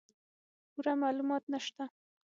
پوره معلومات نشته